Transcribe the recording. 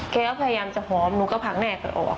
แกก็พยายามจะหอมหนูก็ผลักแรกแกออก